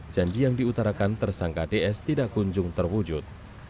janji yang diutarakan tersangka ds tidak kunjung terwujud